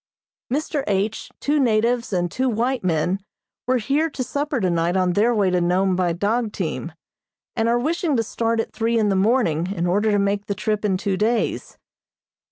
Mr. H., two natives and two white men, were here to supper tonight on their way to Nome by dog team, and are wishing to start at three in the morning in order to make the trip in two days.